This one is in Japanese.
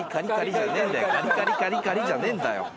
カリカリカリカリじゃねえんだよ。